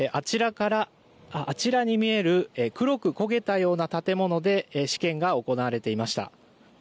あちらに見える黒く焦げたような建物で試験が行われていました。